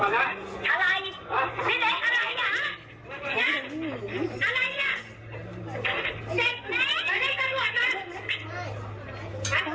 เอาไปฝ่าเต้าเอาแม่ด้วยเร็ว